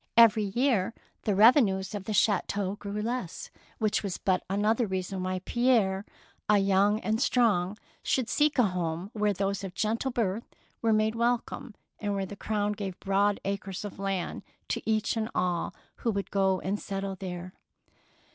Every year the revenues of the chateau grew less, — which was but another reason why Pierre, young and strong, should seek a home where those of gentle birth were made wel come, and where the Crown gave broad acres of land to each and all who would go and settle there.